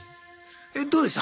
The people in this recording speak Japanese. えどうでした？